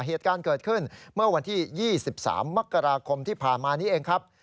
เหตุการณ์เกิดขึ้นเมื่อวันที่๒๓มกราคมที่ผ่านมานี้เองครับ